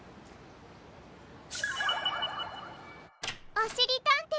おしりたんていさん。